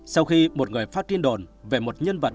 sau khi một người phát tin đồn về một nhân vật